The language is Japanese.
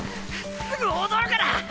すぐ踊るから。